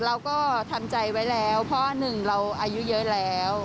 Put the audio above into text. เราก็ทำใจไว้แล้วเพราะหนึ่งเราอายุเยอะแล้ว